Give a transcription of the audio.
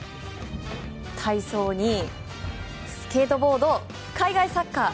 体操に、スケートボード海外サッカー。